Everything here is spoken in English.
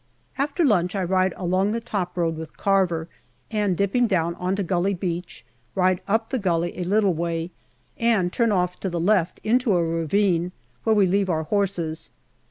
After lunch I ride along the top road with Carver, and dipping down on to Gully Beach, ride up the gully a little way, and turn off to the left into a ravine, where we leave our horses.